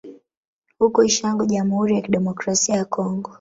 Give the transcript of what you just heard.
Huko Ishango Jamhuri ya Kidemokrasia ya Kongo